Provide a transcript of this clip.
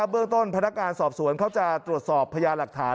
เบื้องต้นพนักงานสอบสวนเขาจะตรวจสอบพญาหลักฐาน